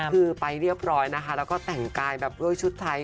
คือไปเรียบร้อยนะคะแล้วก็แต่งกายแบบด้วยชุดไทย